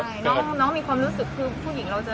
คือผู้หญิงเราจะมีความรู้สึกได้